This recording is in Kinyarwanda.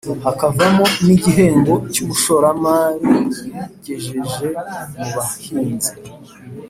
hakavamo n’igihembo cy’umushoramari wayigejeje mu bahinzi